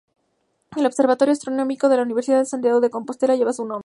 El Observatorio Astronómico de la Universidad de Santiago de Compostela lleva su nombre.